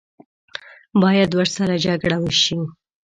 باید ورسره جګړه وشي.